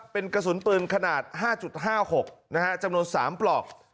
เป็นกระสุนปืนขนาด๕๕๖จำนวน๓ปลอก